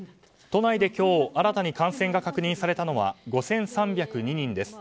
都内で今日新たに感染が確認されたのは５３０２人です。